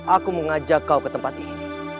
aku mengajak kau ke tempat ini